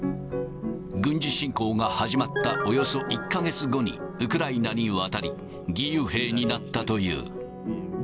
軍事侵攻が始まったおよそ１か月後に、ウクライナに渡り、義勇兵になったという。